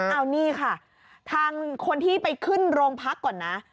เอานี่ค่ะทางคนที่ไปขึ้นโรงพักก่อนนะ